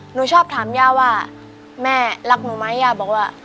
หนูชอบถามย่าว่าแม่รักหนูไหมย่าบอกว่า